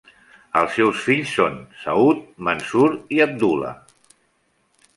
Els seus fills són Saood, Mansoor i Abdulla.